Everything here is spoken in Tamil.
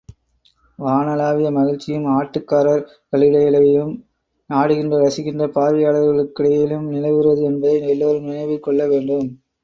வானளாவிய மகிழ்ச்சியும் ஆட்டக்காரர் களிடையிலும், ஆடுகின்ற ரசிக்கின்ற பார்வையாளர்களுக்கிடையிலும் நிலவுகிறது என்பதை எல்லோரும் நினைவில் கொள்ள வேண்டும்.